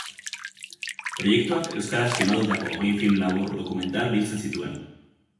Proiektuak euskaraz filmatutako hogei film labur dokumental biltzen zituen.